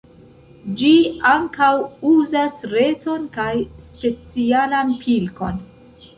Ĝi ankaŭ uzas reton kaj specialan pilkon.